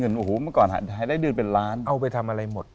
โอ้โหเมื่อก่อนหายได้เดือนเป็นล้านเอาไปทำอะไรหมด